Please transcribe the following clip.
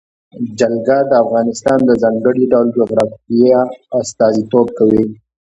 جلګه د افغانستان د ځانګړي ډول جغرافیه استازیتوب کوي.